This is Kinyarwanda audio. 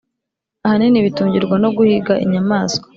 ahanini bitungirwa no guhiga inyamaswa.